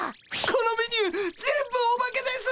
このメニュー全部オバケです！